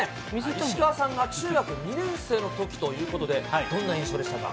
石川さんが中学２年生のときということで、どんな印象でしたか？